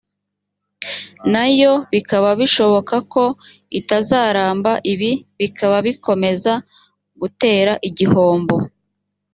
nayo bikaba bishoboka ko itazaramba ibi bikaba bikomeza gutera igihombo